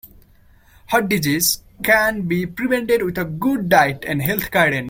Heart disease can be prevented with a good diet and health guidance.